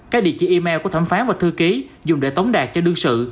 các địa chỉ email của thẩm phán và thư ký dùng để tống đạt cho đương sự